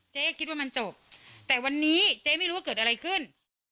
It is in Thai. เจ๊คิดว่ามันจบแต่วันนี้เจ๊ไม่รู้ว่าเกิดอะไรขึ้น